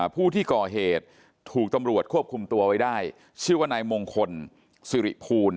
ผู้ที่ก่อเหตุถูกตำรวจควบคุมตัวไว้ได้ชื่อว่านายมงคลสิริภูล